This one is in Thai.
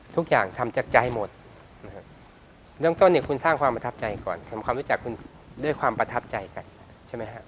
ทุกอย่างทำจากใจหมดนะครับเบื้องต้นเนี่ยคุณสร้างความประทับใจก่อนทำความรู้จักคุณด้วยความประทับใจกันใช่ไหมฮะ